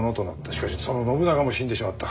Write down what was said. しかしその信長も死んでしまった。